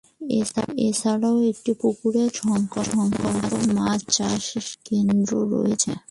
এছাড়াও একটি পুকুর ও তৎসংলগ্ন মাছ চাষ কেন্দ্র রয়েছে।